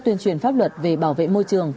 tuyên truyền pháp luật về bảo vệ môi trường